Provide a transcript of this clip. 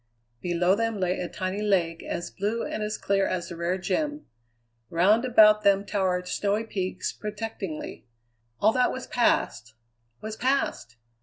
Below them lay a tiny lake as blue and as clear as a rare gem; round about them towered snowy peaks, protectingly. All that was past was past!